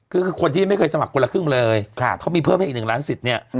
ก็คือคนที่ไม่เคยสมัครคนละครึ่งเลยเขามีเพิ่มให้อีก๑ล้านสิทธิ์เนี่ย